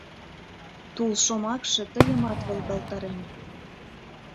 тул шомакше тыйымат волгалтарен.